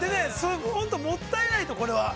◆本当もったいないと、これは。